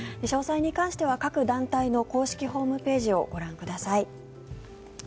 詳細に関しては各団体の公式ホームページをご覧ください。